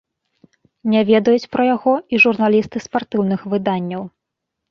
Не ведаюць пра яго і журналісты спартыўных выданняў.